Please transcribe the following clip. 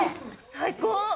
最高。